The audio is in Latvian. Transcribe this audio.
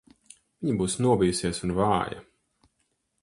Viņa būs nobijusies un vāja.